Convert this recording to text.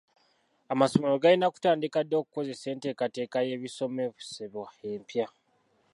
Amasomero galina kutandika ddi okukozesa enteekateeka y'ebisomesebwa empya?